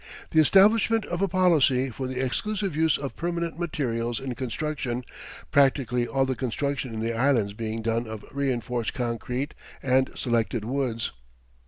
The establishment of a policy for the exclusive use of permanent materials in construction, practically all the construction in the Islands being done of reinforced concrete and selected woods.